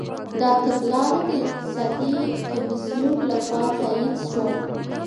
دا تګلاره د اقتصادي کميسيون لخوا تاييد سوه.